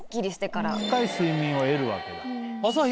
深い睡眠を得るわけだ。